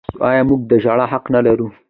آیا موږ د ژړا حق نلرو؟